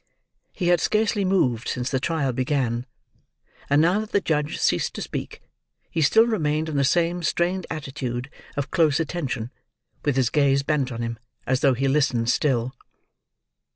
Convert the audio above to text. He had scarcely moved since the trial began; and now that the judge ceased to speak, he still remained in the same strained attitude of close attention, with his gaze bent on him, as though he listened still.